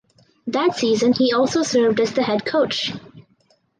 That season he also served as the head coach.